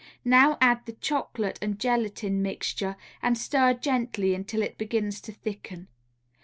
Now add the chocolate and gelatine mixture and stir gently until it begins to thicken.